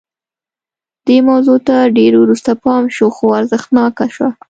دې موضوع ته ډېر وروسته پام شو خو ارزښتناکه شوه